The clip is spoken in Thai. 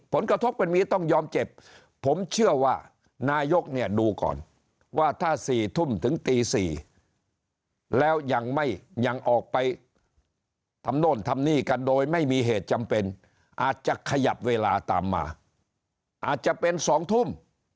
ผลกระทบเป็นมีต้องยอมเจ็บผมเชื่อว่านายกเนี่ยดูก่อนว่าถ้า๔ทุ่มถึงตี๔แล้วยังไม่ยังออกไปทำโน่นทำนี่กันโดยไม่มีเหตุจำเป็นอาจจะขยับเวลาตามมาอาจจะเป็น๒ทุ่ม